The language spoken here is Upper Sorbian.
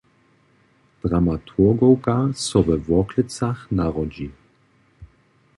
Dramaturgowka so we Worklecach narodźi.